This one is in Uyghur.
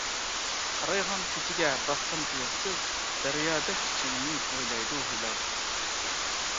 قارايغان كېچىگە باقسام تۇيۇقسىز، دەريادەك چېچىڭنى ئوينايدۇ ھىلال.